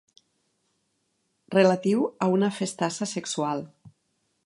Relatiu a una festassa sexual.